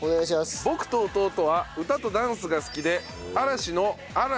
僕と弟は歌とダンスが好きで。